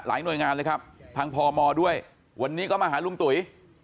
หน่วยงานเลยครับทางพมด้วยวันนี้ก็มาหาลุงตุ๋ย